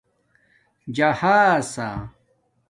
جہاسݳ